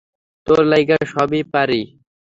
তোর লইগ্গা সবই পারি।